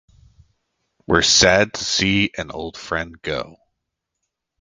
We're sad to see an old friend go.